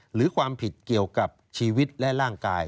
หรือความผิดเกี่ยวกับชีวิตและร่างกาย